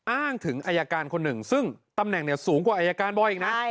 อ้างถึงอายการคนหนึ่งซึ่งตำแหน่งเนี่ยสูงกว่าอายการบอยอีกนะ